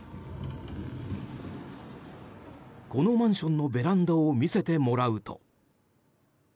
このマンションのベランダを見せてもらうと。